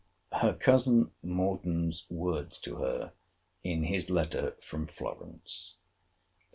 Her cousin Morden's words to her in his letter from Florence.